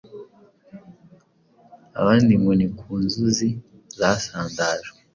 abandi ngo ni ku nzuki zasandajwe.